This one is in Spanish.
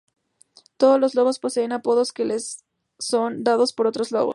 Todos los lobos poseen apodos que les son dados por otros lobos.